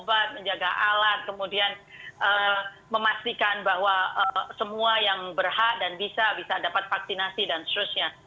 obat menjaga alat kemudian memastikan bahwa semua yang berhak dan bisa bisa dapat vaksinasi dan seterusnya